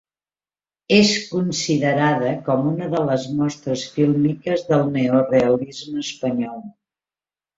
És considerada com una de les mostres fílmiques del neorealisme espanyol.